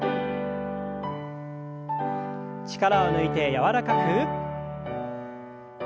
力を抜いて柔らかく。